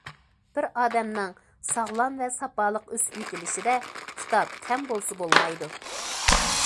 بىر ئادەمنىڭ ساغلام ۋە ساپالىق ئۆسۈپ يېتىلىشىدە كىتاب كەم بولسا بولمايدۇ.